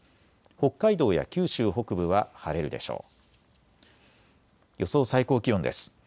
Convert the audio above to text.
北海道や九州北部は晴れるでしょう。